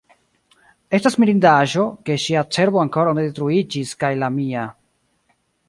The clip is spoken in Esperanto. Estas mirindaĵo, ke ŝia cerbo ankoraŭ ne detruiĝis kaj la mia.